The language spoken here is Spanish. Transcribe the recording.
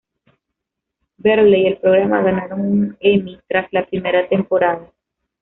Berle y el programa ganaron un Emmy tras la primera temporada.